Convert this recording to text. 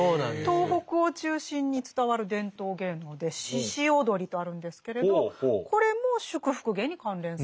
東北を中心に伝わる伝統芸能で鹿踊りとあるんですけれどこれも祝福芸に関連するものなんですね。